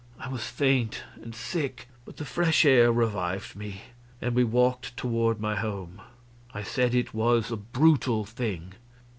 I was faint and sick, but the fresh air revived me, and we walked toward my home. I said it was a brutal thing.